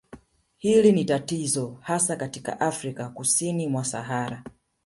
Hili ni tatizo hasa katika Afrika kusini mwa Sahara